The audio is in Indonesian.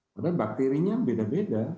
padahal bakterinya beda beda